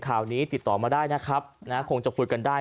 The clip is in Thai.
ข่าวนี้ติดต่อมาได้นะครับนะคงจะคุยกันได้